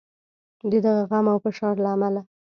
د دغه غم او فشار له امله.